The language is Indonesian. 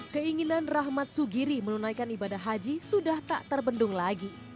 keinginan rahmat sugiri menunaikan ibadah haji sudah tak terbendung lagi